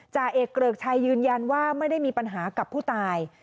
จ่าเอกเกริกชัยยืนยันว่าไม่ได้มีปัญหากับผู้ตาย